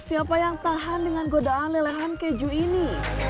siapa yang tahan dengan godaan lelehan keju ini